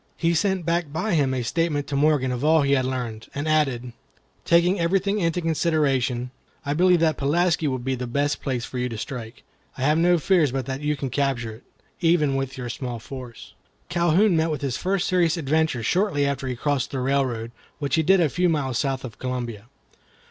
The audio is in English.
He sent back by him a statement to Morgan of all he had learned, and added: "Taking everything into consideration, I believe that Pulaski will be the best place for you to strike. I have no fears but that you can capture it, even with your small force." Calhoun met with his first serious adventure shortly after he had crossed the railroad, which he did a few miles south of Columbia.